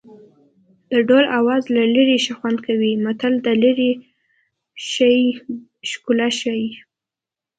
د ډول آواز له لرې ښه خوند کوي متل د لرې شي ښکلا ښيي